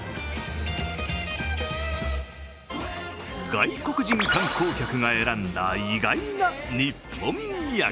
外国人観光客が選んだ、意外な日本土産。